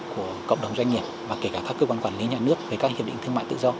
của cộng đồng doanh nghiệp và kể cả các cơ quan quản lý nhà nước về các hiệp định thương mại tự do